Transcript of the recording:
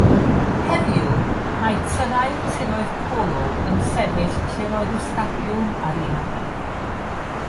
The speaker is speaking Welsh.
Heddiw mae Tyrau'r Tiroedd Polo yn sefyll lle'r oedd y stadiwm ar un adeg.